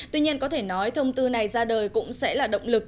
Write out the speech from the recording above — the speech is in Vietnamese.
tuy nhiên có thể nói thông tư này ra đời cũng sẽ là động lực